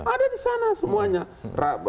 ada di sana semuanya